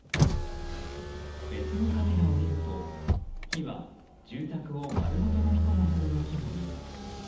別のカメラを見ると火は住宅を丸ごとのみ込むほどの規模に。